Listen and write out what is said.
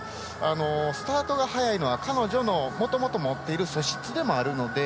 スタートが速いのは彼女のもともと持っている素質でもあるので。